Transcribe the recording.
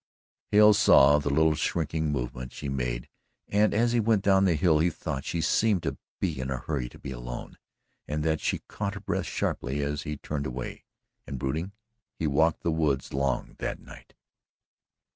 Hale saw the little shrinking movement she made, and, as he went down the hill, he thought she seemed to be in a hurry to be alone, and that she had caught her breath sharply as she turned away. And brooding he walked the woods long that night.